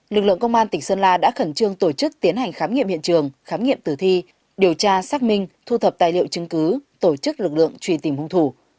lực lượng công an tỉnh sơn la đã khẩn trương tổ chức tiến hành khám nghiệm hiện trường khám nghiệm tử thi điều tra xác minh thu thập tài liệu chứng cứ tổ chức lực lượng truy tìm hung thủ